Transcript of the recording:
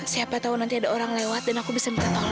siapa tahu nanti ada orang lewat dan aku bisa minta tolong